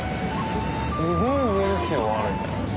すごい上ですよあれ。